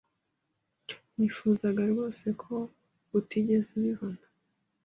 Nifuzaga rwose ko utigeze ubibona.